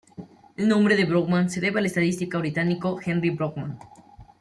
El nombre de "Brougham" se debe al estadista británico Henry Brougham.